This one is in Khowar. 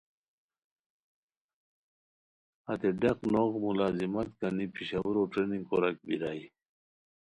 ہتے ڈق نوغ ملازمت گنی پشاورو ٹریننگ کوراک بیرائے